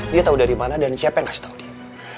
dia tahu dari mana dan siapa yang ngasih tahu dia